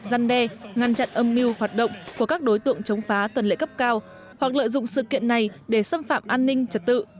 giăn đe ngăn chặn âm mưu hoạt động của các đối tượng chống phá tuần lễ cấp cao hoặc lợi dụng sự kiện này để xâm phạm an ninh trật tự